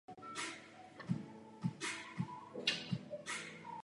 Po osvobození byl členem prezidia Ústřední rady odborů.